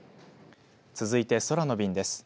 続いて空の便です。